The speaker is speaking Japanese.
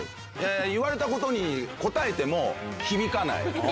言われたことに答えても、響かない。